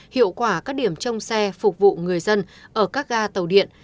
hiệu quả các điểm trông xe phục vụ người dân ở các ga tàu điện